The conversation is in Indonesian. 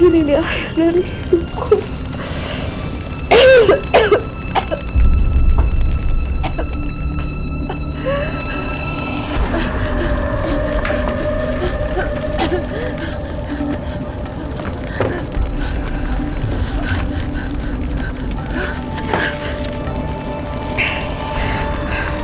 ini di akhir dari hidupku